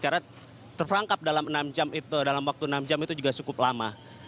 karena terperangkap dalam enam jam itu dalam waktu enam jam itu juga cukup lama